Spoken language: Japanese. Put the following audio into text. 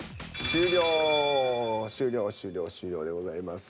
終了終了終了でございます。